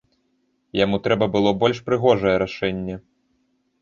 Яму трэба было больш прыгожае рашэнне.